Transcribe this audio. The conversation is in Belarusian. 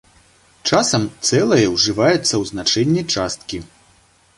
Часам цэлае ўжываецца ў значэнні часткі.